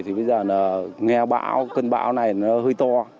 thì bây giờ là nghe bão cơn bão này nó hơi to